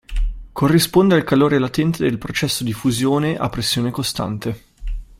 Corrisponde al calore latente del processo di fusione a pressione costante.